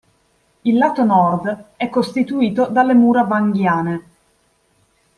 Il lato nord è costituito dalle mura Vanghiane.